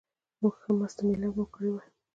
موږ ښه مسته مېله مو کړې وای.